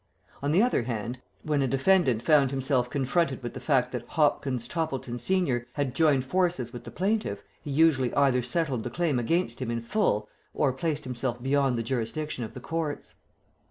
On the other hand, when a defendant found himself confronted with the fact that Hopkins Toppleton, Sen., had joined forces with the plaintiff, he usually either settled the claim against him in full or placed himself beyond the jurisdiction of the courts.